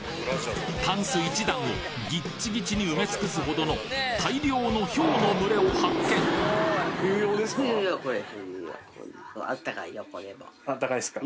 タンス１段をギッチギチに埋め尽くすほどの大量の豹の群れを発見あったかいですか。